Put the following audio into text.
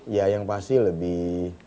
ya yang pasti lebih